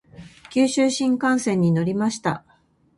九州新幹線に乗りました。